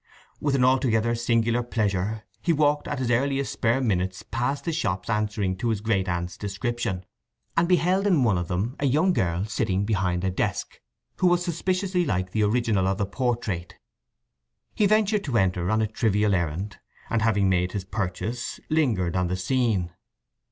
With an altogether singular pleasure he walked at his earliest spare minutes past the shops answering to his great aunt's description; and beheld in one of them a young girl sitting behind a desk, who was suspiciously like the original of the portrait. He ventured to enter on a trivial errand, and having made his purchase lingered on the scene.